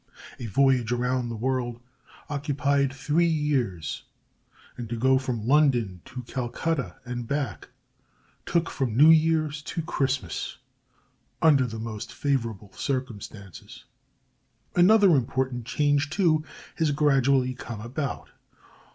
A voyage around the world occupied three years, and to go from London to Calcutta and back took from New Year's to Christmas under the most favorable circumstances. Another important change, too, has gradually come about.